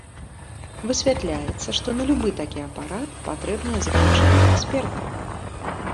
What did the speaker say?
Высвятляецца, што на любы такі апарат патрэбнае заключэнне экспертаў.